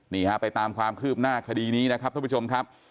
นี่ฮะไปตามความคืบหน้าคดีนี้นะครับท่านผู้ชมครับ